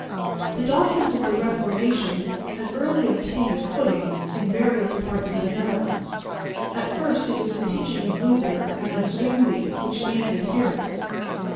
The doctrines of the Reformation had early obtained a footing in various parts of the Netherlands. At first it was the teaching of Luther and of Zwingli which gained adherents.